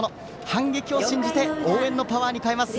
反撃を信じて応援のパワーに変えます。